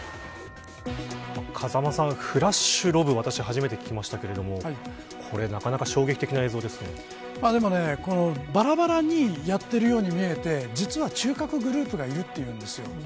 風間さん、フラッシュロブ私、初めて聞きましたがばらばらにやってるように見えて実は中核グループがいるというんです。